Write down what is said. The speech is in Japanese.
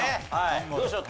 どうでしょう？